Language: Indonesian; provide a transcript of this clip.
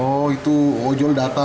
oh itu jual data